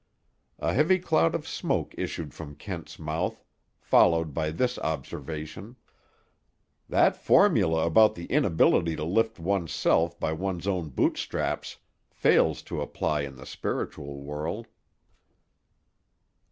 A heavy cloud of smoke issued from Kent's mouth, followed by this observation: "That formula about the inability to lift one's self by one's own boot straps fails to apply in the spiritual world."